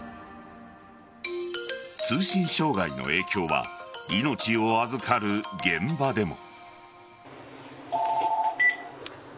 通信障害の影響は命を預かる現場でも。